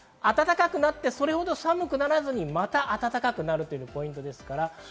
暖かくなって、それほど寒くならずに、また暖かくなるのがポイントです。